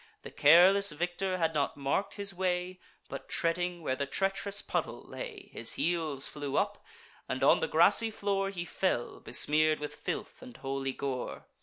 The careless victor had not mark'd his way; But, treading where the treach'rous puddle lay, His heels flew up; and on the grassy floor He fell, besmear'd with filth and holy gore.